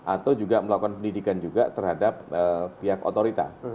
atau juga melakukan pendidikan juga terhadap pihak otorita